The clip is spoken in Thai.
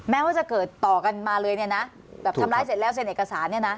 แม้ว่าจะเกิดต่อกันมาเลยเนี่ยนะแบบทำร้ายเสร็จแล้วเซ็นเอกสารเนี่ยนะ